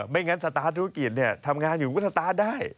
ไม่งั้นสตาร์ทธุรกิจทำงานอยู่ก็สตาร์ทได้